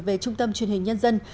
về trung tâm truyền hình nhân dân